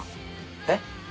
えっ？